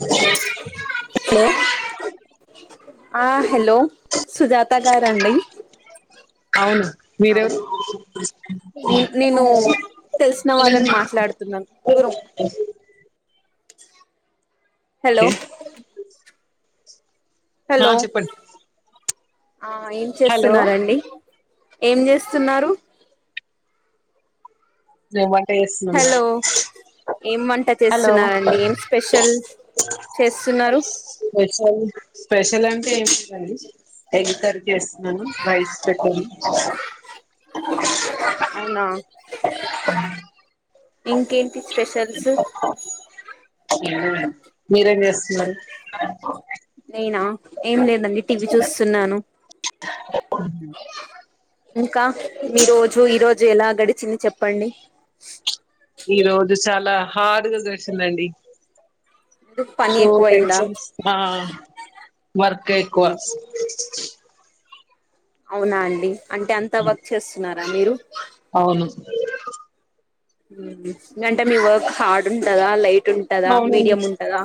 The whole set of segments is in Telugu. హలో ఆ హలో సుజాత గారండి అవును అవ్ మీరెవరు నేన్ నేను తెలిసిన వాళ్ళన్ మాట్లాడుతున్నాను దూరం హలో ఆ హలో చెప్పండి ఆ ఏం హలో చేస్తున్నారండి ఏం చేస్తున్నారు నే వన్ తెల్సినోల్ల హలో ఏం వంట హలో చేస్తున్నారండి ఏం స్పెషల్ చేస్తున్నారు స్పెషల్ స్పెషల్ అం ఎగ్ కర్రీ చేస్తున్నాను రైస్ పెట్టాను అవునా ఇంకేంటి స్పెషల్ [inaudible] [inaudible] మీరేం చేస్తున్నారు నేనా ఏం లేదండి టీవీ చూస్తున్నాను [unintelligible] ఇంకా మీ రోజు ఈ రోజు ఎలా గడిచింది చెప్పండి ఈ రోజు చాలా హార్డ్ గా గడిచిందండి పని సో ఎక్కువయిందా టెన్షన్స్ ఆ వర్క్ ఎక్కువ అవునా అండి అంటే అంత వర్క్ చేస్తున్నార మీరు అవును లేఅంటే మీ వర్క్ హార్డ్ ఉంటందా లైట్ ఉంటదా అవునండి మీడియం ఉంటదా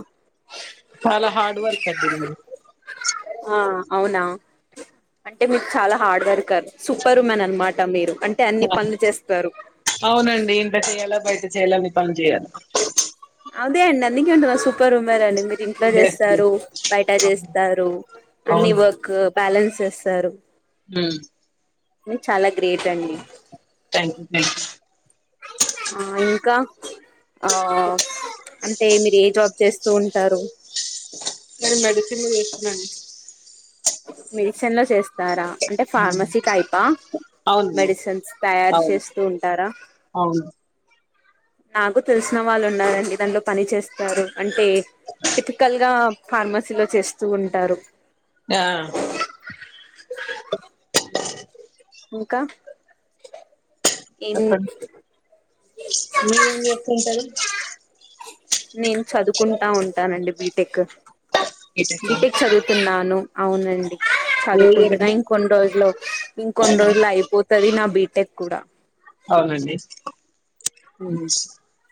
చాలా హార్డ్ వర్క్ [unintelligible] ఆ అవునా అంటే మీకు చాలా హార్డ్ వర్కర్ సూపర్ ఉమన్ అనమాట మీరు. అంటే అన్ని పనులు చేస్తారు అవునండి ఇంటచేయాల ఎలా బయట చెయ్యాల అన్నిపనులు చేయాల అదే అండి అందుకే అంటున్న సూపర్ ఉమన్ అని మీరు ఇంట్లో చేస్తున్న చేస్తారు, బయట చేస్తారు అన్ని వర్క్ బ్యాలెన్స్ చేస్తారు. హ్ మీరు చాలా గ్రేట్ అండి. Thank you thanks. ఆ ఇంకా ఆ అంటే మీరు ఏ జాబ్ చేస్తూ ఉంటారు. నేను మెడిసిన్ లో చేస్తున్నా అండి. మెడిసన్ లో చేస్తారా. అంటే ఫార్మసీ టైపా అవునండి మెడిసిన్స్ తయారు అవును చేస్తూ ఉంటారా. అవును నాకు తెలిసిన వాళ్ళు ఉన్నారండి దాంట్లో పని చేస్తారు, అంటే టిపికల్గా ఫార్మసీలో చేస్తూ ఉంటారు. ఆ ఇంకా ఇం మీరు ఏం చేస్తూంటరు. నేను చదువుకుంటా ఉంటానండి. బి. టెక్ బీటెక్ చదువుతున్నాను. అవునండి. ఏ ఇయర్ చదువుకుంటున్నా అండి ఇంకొన్ని రోజులు ఇంకొన్ని రోజులు అయిపోతు తది నా బీటెక్ కూడా అవునండి. అ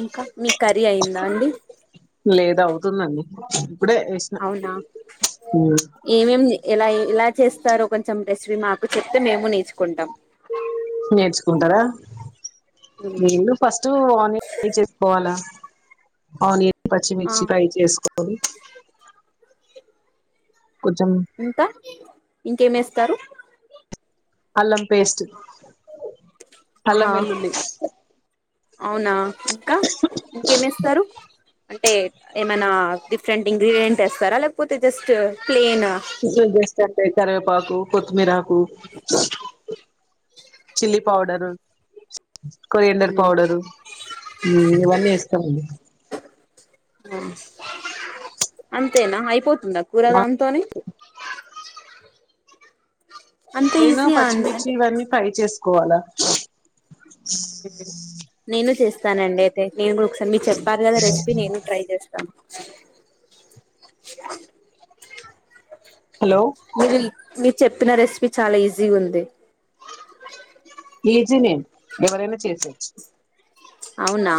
ఇంకా మీ కర్రీ అయిందా అండి. లేదు అవుతుందండి. ఇప్పుడే వేసిన అవునా ఏమేంది ఇలా ఎలా చేస్తారో కొంచెం రెసిపీ మాకు చెప్తే మేము నేర్చుకుంటాం. నేర్చుకుంటారా. [unintelligible] ఫస్ట్ ఆనియన్ రడీ చేసుకోవాలా ఆనియన్ ఆ పచ్చిమిర్చి ఫ్రై చేసుకోవాలి. కొంచెం ఇంత ఇంకేం ఏస్తారు అల్లం పేస్ట్ అల్లం ఆ వెల్లుల్లి అవునా ఇంకా ఇంకేమేస్తారు అంటే ఏమైనా డిఫరెంట్ ఇంగ్రీడియంట్ వేస్తారా లేకపోతే జస్ట్ ప్లేన్ ఇలా చేస్తా అంటే కరేపాకు కొత్తిమీర ఆకు chilli powder coriander um, powder ఇవన్నీ ఏస్తామండి అంతేనా అయిపోతుందా కూర దాంతోని మీనా ఈజీయా అండి పచ్చిమిర్చి అంటే ఇవన్నీ ఫ్రై చేస్ పోవాల నేను చేస్ స్తా నండియితే నేను కూడా ఒకసారి మీరు చెప్పారు కదా రెసిపీ నేను ట్రై చేస్తాను హలో మీడిల్ మీ చెప్పిన రెసిపీ చాలా ఈజీ ఉంది ఈజీనే ఎవరైనా చేసేయొచ్చు అవునా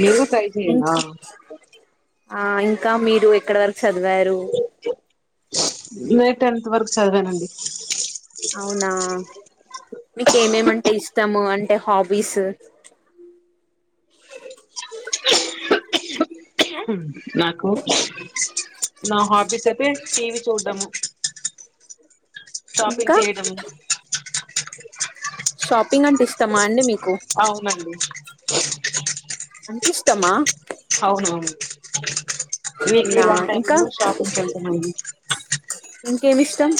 మీరు గూడ ట్రై చేయండి. ఆ ఇంకా ఆ ఇంకా మీరు ఇక్కడ వరకు చదివారు నేను టెన్త్ వరకు చదివానండి. అవునా మీకేమేమంటే ఇష్టము అం అంటే హాబీసు నాకు నా హార్ట్ డిస్సపే టీవి చూడ్డము షాపింగ్ ఇంకా చేయడము షాప్ ప్పింగ్ంటే ఇష్టమా అండి మీకు అవునండి ఇష్టమా అవునువును వీక్లీ నా వన్ ఇంకా టైమ్ షాపింగ్ కి వెళ్తామండి ఇంకేమి ఇష్టం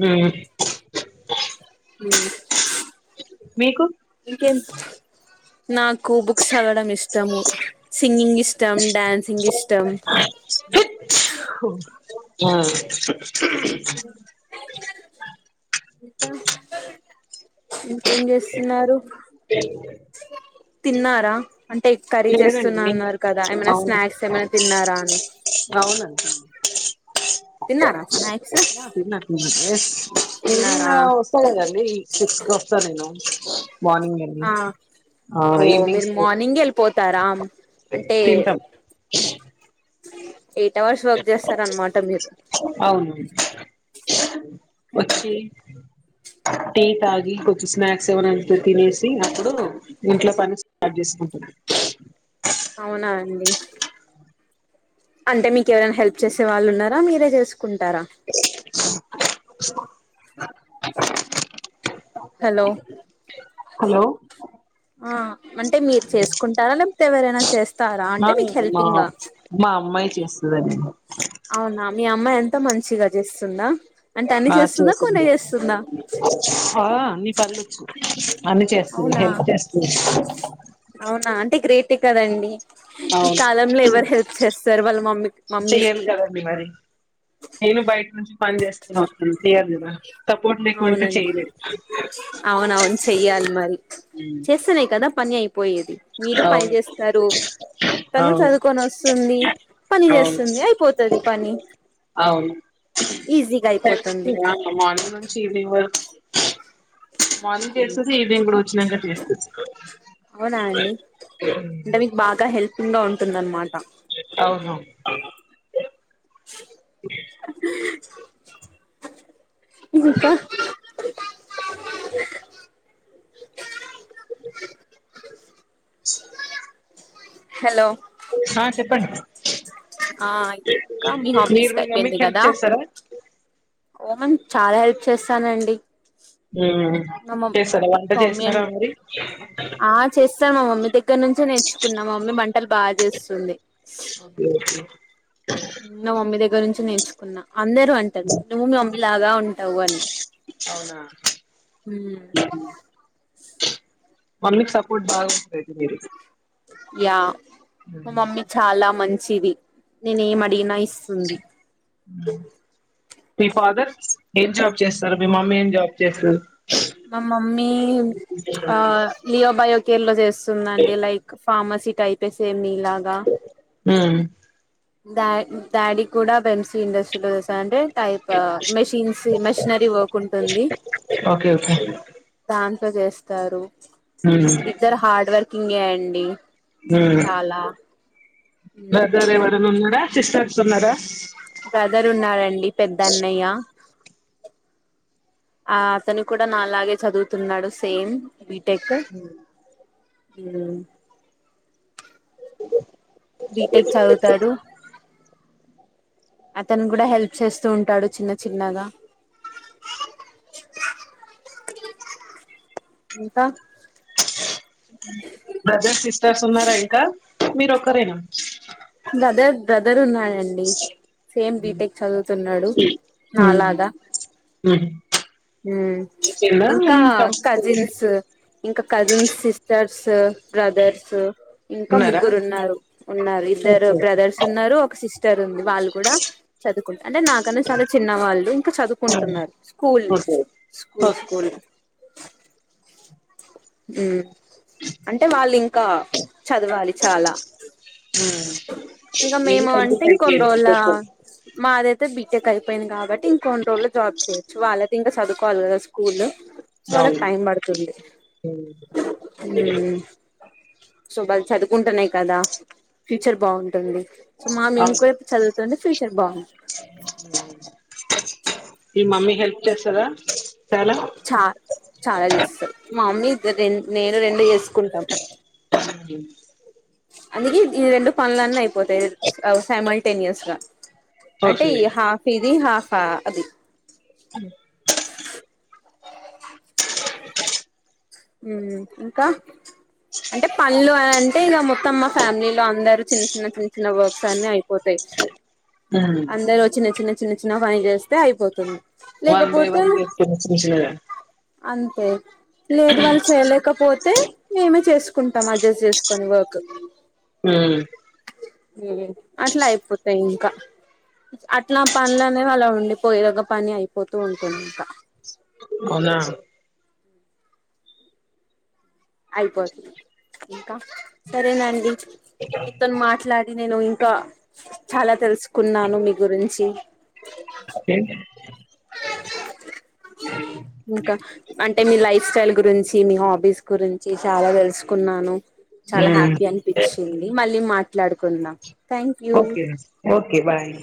మ్మ్ మీకు ఇంకేం నాకు బుక్స్ చదవడం ఇష్టము సింగింగ్ ఇష్ ఇష్టం డ్యాన్సింగ్ ఇష్ హచ్ తూచ్ హూ యా [unintelligible] ఇంకా ఇంకేం చేస్తున్నారు తిన్నారా అంటే కర్రీ చేస్తున్నా లేదండి అన్నారు కదా ఏమన్నా అవును స్నాక్స్ ఏమన్నా తిన్నారా అని తిన్నారా స్నాక్స్ ఆ తిన్న తిన్న ఈవినింగ్ తిన్నారా వస్తలేదండి సిక్స్ కి వస్తా నేను మార్నింగ్ వెళ్ళి ఆ ఆ ఓ మీరు ఈవినింగ్స్ మార్నింగ్ వెళ్ళిపో తరాం అంటే తింటాం ఎయిట్ అవర్స్ వర్క్ చేస్తారనమాట మీరు అవును వచ్చి టీ తాగి కొంచెం స్నాక్స్ ఏమనా తినేసి అప్పుడు ఇంట్లో పని స్టార్ట్ చేసుకుంటాం అవునా అండి అంటే మీకు ఎవరైనా హెల్ప్ చేసే వాళ్ళు ఉన్నారా మీరే చేసుకు కుంటారా హలో హలో ఆ అంటే మీరు చేసుకుంటారా లేకపోతే ఎవరైనా చేస్తరా అంటే మీకు హెల్పింగా చెస్ అవునా మీ అమ్మాయ్ త మంచిగా చేస్తుందా అంటే అన్ని ఆ చేస్తుందా కొన్నే చేసిది చేస్తుందా ఆ అన్నీ పనులొచ్చు అన్నీ చేస్తుంది అవునా హెల్ప్ చేస్తుంది టె కదండీ ఈ అవును కాలంలో ఎవరు హెల్ప్ చేస్తారు వాళ్ళ మమ్మీ మమ్మీస్ చెయ్యాలి కి కదండి మరి నేను బయట నుంచి పని చేస్కొని వస్తాం చేయాలి కదా సపోర్ట్ లేకుంటే అవునండి చేయలేదు అవునవును చెయ్యాలి మరి చేస్తనే కదా పని అయిపోయేది మీరు పని అవును చేస్తరు తను అవును చదువుకొని వస్తుంది పని అవును చేస్తుంది అయిపోతుంది పని అవును ఈజీగా అయిపోతంది [unintelligible] వర్క్స్ మార్నింగ్ చేస్తుంది ఈవినింగ్ గుడా వచ్చినాక చేస్తుంది అవునా అండి అంటే మీకు బాగా హెల్పింగ్ గా ఉంటుందన్ మాట అవును ఉష్ ఇప్ప ఇప్ప ఇప్ప ఇప్ప హలో హా చెప్పండి ఆ ఇంకా మీ హాబీస్ మీరు మీ అయిపోయింది మమ్మీకి హెల్ప్ కదా చేస్తారా ఓమన్ చాలా హెల్ప్ చేస్తానండి హుమ్ మా మమ్ చేస్తరా వంట మమ్మీ అం చేస్తారా మరి ఇక్కడ నుంచే నేర్చుకున్నా మా మమ్మీ వంటలు బా చేస్తుంది ఓకే ఓకే నా మమ్మీ దగ్గర నుంచి నేర్చుకున్నా అందరూ అంటరు నువ్వు మీ మమ్మీ ల లాగా ఉంటావు అని అవునా హుమ్ మమ్మీకి సపోర్ట్ బాగ్ ఎగ్ మిరి యా మ మమ్మీ చాలా మం చ్చిది నేన్ ఏమడిగినా ఇస్ హ్మ్ మీ ఫాదర్ ఏం జాబ్ చేస్తారు మీ మమ్మీ ఏం జాబ్ చేస్తాది మా మమ్మీ ఆ యో బాయో కేరళ చేస్ ఉందండి లైక్ ఫార్మసి టైపే సేమ్ మీ ఇలాగా ఉమ్. డా డాడీ కూడా బంసీ ఇండస్ట్రీలో తెలసా అంటే టైప్ మెషిన్స్ మెషినరీ వర్క్ ఉంటుంది ఓకే ఓకే దా చేస్తారు ఇద్దర హార్డ్వేర్ ఇంగేయండి చాలా [unintelligible] చెస్ ఆడుతున్నారా బ్రదర్ ఉన్నారండి పెద్దన్నయ్య ఆ అతను కూడా నాలాగే చదువుతున్నాడు సేమ్ బీ టెక్ మ్మ్ ఒకే [unintelligible] బీ. టెక్ చదువుతాడు అతన్గుడా హెల్ప్ చేస్తూ ఉంటాడు చిన్న చిన్నగా ఇంకా బ్రదర్ సిస్టర్స్ ఉన్నారా ఇంకా మీరు ఒక్కరేనా బ్రదర్ బ్రదర్ ఉన్నాడండి సేమ్ బీ. టెక్ చదువుతున్నాడు నాలాగా మ్మ్ కింద ఇంకా కజిన్స్ ఇంకా కజిన్ సిస్టర్స్ బ్రదర్స్ ఇంకా ఉన్నారా ముగ్గురున్నారు ఉన్నారు ఇం ఇద్దరు ఓకే బ్రదర్స్ ఉన్నరు ఒక సిస్టర్ ఉంది వాళ్ళు కూడా పెద్దకులే అంటే నాకన్నా చాలా చిన్నవాళ్ళు ఇంకా చదువుకుంటున్నారు school okay school okay school మ్మ్ అంటే వాళ్ళింకా చదవాలి చాలా ఇంకా మీది మేము అంటే కంప్లీట్ ఇంకొన్ని అయిపోయింది రోజుల మాద్ అయితే బీ. టెక్ అయిపోయింది కాబట్టి ఇంకొన్ని రోజుల్లో జాబ్ చేయొచ్చు వాళ్ళకింకా సదుకోవాలి కదా స్కూల్ సో వాళ్ళక్ అవును టైం బడుతుంది మ్మ్ సో బళ్ చదువుకుంటనే కదా ఫ్యూచర్ బావుంటుంది సో మా మేం అవును కూడా చదువుతుంటే‌ ఫ్యూచర్ బాగుంది మీ మమ్మీ హెల్ప్ చేస్తదా చాలా చా చాలా చేస్తాది మా మమ్మీ దదెన్ నేను రెండు చేస్ కుంటం అందుకే ఈ రెండు పనులన్నీ అయిపోతాయి అ సైమల్టేనియస్గా అంటే ఓకే ఈ హాఫ్ ఇది హాఫ్. హ అది మ్మ్ ఇంకా అంటే పన్లు అనన్ టెగామ తమ్మ ఫ్యామిలీలో అందరు చిన్న చిన్న చిన్న చిన్న వర్క్స్ అన్ని అయిపోతాయి అందరు చిన్న చిన్న చిన్న చిన్న పని చేస్ తే అయిపోతుంది వన్ బై లేకపోతే వన్ చేసుకొనె చిన్న చిన్నగా అంతే లేదు వాళ్ళు చేయలేకపోతే మేమే చేసుకుంటాం అడ్జస్ట్ చేసుకొని వర్క్ మ్ అట్లా అయిపోతాయి ఇంకా అట్లా పనులనేవి అలా ఉండిపోయే ఓక పని అయిపోతూ ఉంటుంది ఇంకా అవునా అయిపోతు ఇంకా సరేనండి ఇతను మాట్లాడి నేను ఇ ఖా చాలా తెలుసుకున్నాను మీ గురించి అ ఏ ఇంకా అంటే మీ లైఫ్ స్టైల్ గురించి మీ హాబీస్ గురించి చాలా తెలుసుకున్నాను చాలా హ్యాపీ అనిపిచ్చింది మళ్ళీ మా ట్లాడుకుందాం ఓకే ఓకే బాయ్